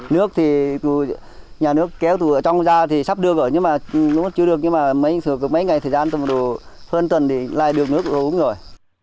nước thì nhà nước kéo từ trong ra thì sắp được rồi nhưng mà chưa được nhưng mà mấy ngày thời gian hơn tuần thì lại được nước uống rồi